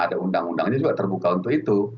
ada undang undangnya juga terbuka untuk itu